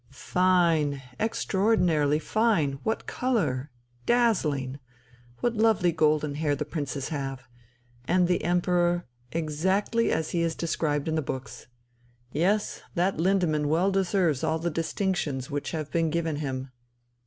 "Fine, extraordinarily fine! What colouring! Dazzling. What lovely golden hair the princes have! And the Emperor ... exactly as he is described in the books! Yes, that Lindemann well deserves all the distinctions which have been given him."